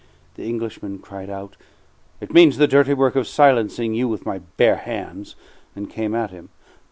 The Englishman cried out, "It means the dirty work of silencing you with my bare hands!" and came at him.